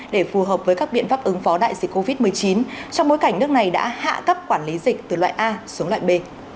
để phù hợp với các biện pháp ứng phó đại dịch covid một mươi chín trong bối cảnh nước này đã hạ thấp quản lý dịch từ loại a xuống loại b